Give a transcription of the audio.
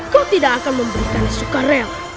kau tidak akan memberikan es karela